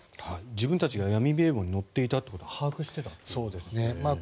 自分たちが闇名簿に載っていたことを把握していたんですね。